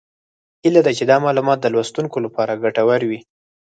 هیله ده چې دا معلومات د لوستونکو لپاره ګټور وي